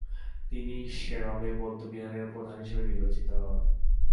তিনি সেরমে বৌদ্ধবিহারের প্রধান হিসেবে নির্বাচিত হন।